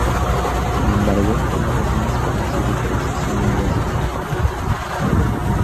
Sin embargo, las razones para su retraso son numerosas y complejas.